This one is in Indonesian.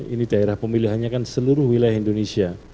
ini daerah pemilihannya kan seluruh wilayah indonesia